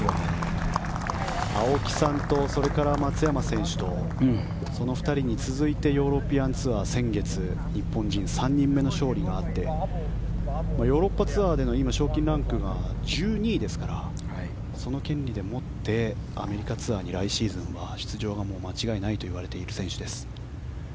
青木さんと松山選手とその２人に続いてヨーロピアンツアー、先月日本人３人目の勝利があってヨーロッパツアーでの賞金ランクが１２位ですからその権利でもってアメリカツアーに来シーズンは出場が間違いないといわれている選手です。